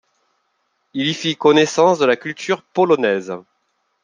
Il y fit connaissance de la culture polonaise.